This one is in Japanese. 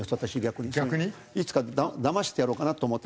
いつかだましてやろうかなと思って。